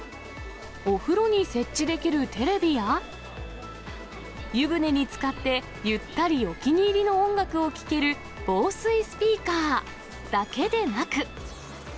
お風呂に設置できるテレビや、湯船につかって、ゆったりお気に入りの音楽を聴ける防水スピーカーだけでなく。